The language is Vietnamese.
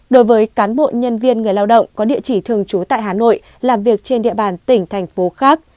đối với cán bộ nhân viên người lao động có địa chỉ thường trú tại hà nội làm việc trên địa bàn tỉnh thành phố khác